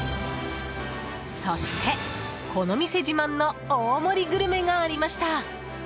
そして、この店自慢の大盛りグルメがありました。